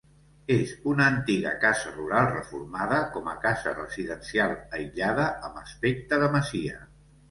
És una antiga casa rural reformada com a casa residencial aïllada amb aspecte de masia.